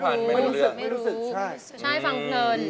ใช่ฟังเพลินจริง